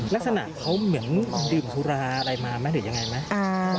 ลักษณะเขาเหมือนดื่มสุราอะไรมาไหมหรือยังไงไหม